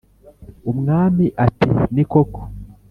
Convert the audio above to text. ” umwami ati: “ni koko?”